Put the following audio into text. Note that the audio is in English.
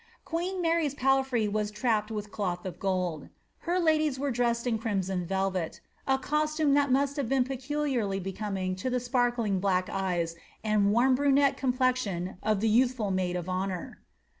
Queen Mary's palfrey was trapped with cloth of gold, ladies were dressed in crimson velvet, a costume that must have peculiarly becoming to the sparkling black eyes and warm brunette • plexion of the youthful maid of honour.